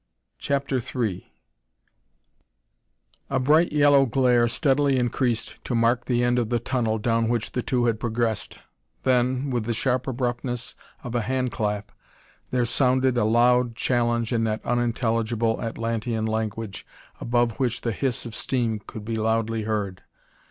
CHAPTER III A bright yellow glare steadily increased to mark the end of the tunnel down which the two had progressed; then, with the sharp abruptness of a hand clap, there resounded a loud challenge in that unintelligible Atlantean language, above which the hiss of steam could be loudly heard.